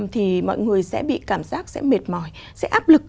thì mọi người sẽ bị cảm giác sẽ mệt mỏi sẽ áp lực